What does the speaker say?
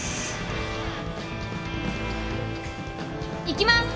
いきます！